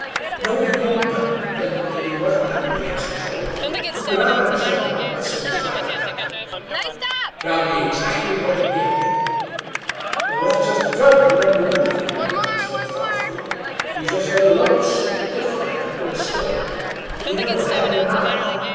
"No, he didn't; but then maybe he wasn't hungry" answered Joe, who could not understand what Wetzel was driving at. "Tell me exactly what he did." "That's just the trouble; he didn't do anything," replied Joe, thoughtfully. "He just lay low, stifflike, under a stone. He never batted an eye.